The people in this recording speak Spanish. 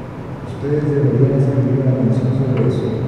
Ustedes deberían escribir una canción sobre eso".